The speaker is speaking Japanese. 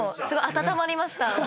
すごいあたたまりました。